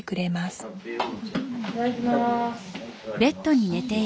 はいいただきます。